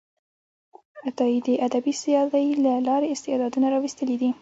عطایي د ادبي سیالۍ له لارې استعدادونه راویستلي دي.